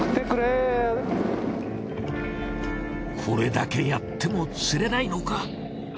これだけやっても釣れないのか？